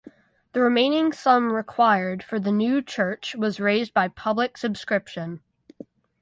The remaining sum required for the new church was raised by public subscription.